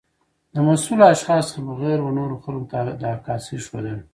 د مسؤلو اشخاصو څخه بغیر و نورو خلګو ته د عکاسۍ ښودل